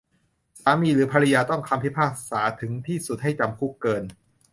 สามีหรือภริยาต้องคำพิพากษาถึงที่สุดให้จำคุกเกิน